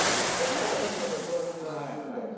「高嶋さん来られてます」みたいな。